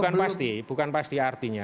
bukan pasti bukan pasti artinya